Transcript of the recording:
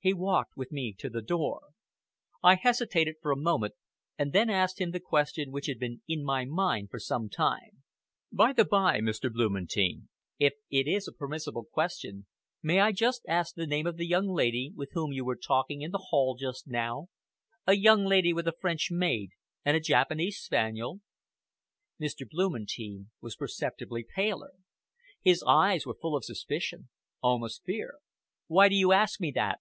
He walked with me to the door. I hesitated for a moment, and then asked him the question which had been in my mind for some time. "By the bye, Mr. Blumentein," I said, "if it is a permissible question, may I ask the name of the young lady with whom you were talking in the hall just now a young lady with a French maid and a Japanese spaniel?" Mr. Blumentein was perceptibly paler. His eyes were full of suspicion, almost fear. "Why do you ask me that?"